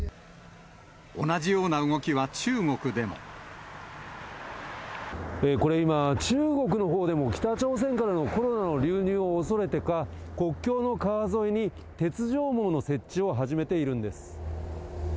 同じような動きは中国でも。これ、今、中国のほうでも、北朝鮮からのコロナの流入を恐れてか、国境の川沿いに、鉄条網の設置を始めているんです。